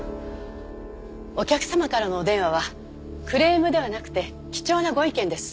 お客様からのお電話はクレームではなくて貴重なご意見です。